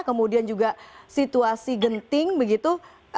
kemudian juga situasi genting begitu